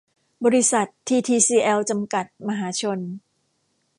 บริษัท ทีทีซีแอล จำกัด มหาชน